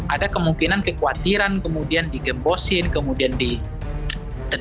ada kemungkinan kekhawatiran kemudian digembosin kemudian terjadi manuver manuvernya